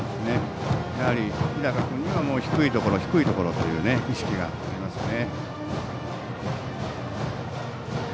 やはり日高君は低いところ、低いところという意識がありますね。